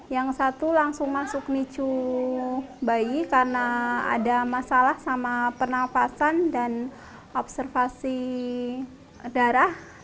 yang satu langsung masuk nicu bayi karena ada masalah sama pernafasan dan observasi darah